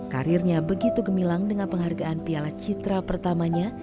karirnya begitu gemilang dengan penghargaan piala citra pertamanya